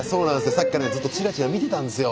さっきからずっとチラチラ見てたんですよ。